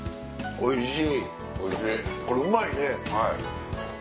おいしい！